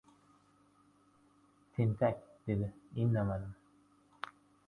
Tentak, dedi, indamadim.